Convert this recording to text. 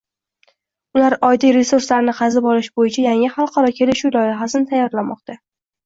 Ular Oyda resurslarni qazib olish boʻyicha yangi xalqaro kelishuv loyihasini tayyorlamoqda.